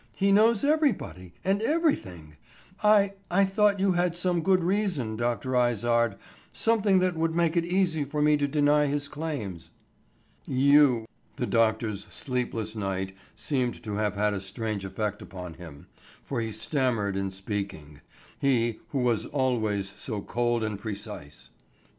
He knows everybody, and everything. I—I thought you had some good reason, Dr. Izard, something that would make it easy for me to deny his claims." "You—" The doctor's sleepless night seemed to have had a strange effect upon him, for he stammered in speaking, he who was always so cold and precise.